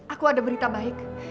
aku ada berita baik